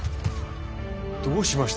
どうしました？